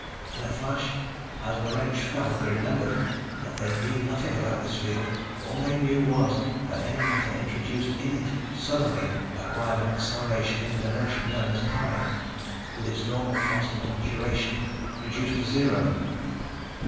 In a flash, as the wrench fell, he remembered that they knew nothing about this field. All they knew was that any matter introduced in it suddenly acquired an acceleration in the dimension known as time, with its normal constant of duration reduced to zero.